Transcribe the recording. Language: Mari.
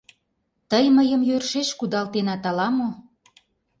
Тый мыйым йӧршеш кудалтенат ала-мо?